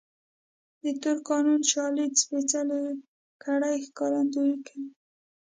د تور قانون شالید سپېڅلې کړۍ ښکارندويي کوي.